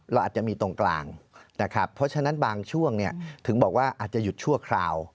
เราอาจจะมีตรงกลางนะครับเพราะฉะนั้นบางช่วงเนี่ยถึงบอกว่าอาจจะหยุดชั่วคราว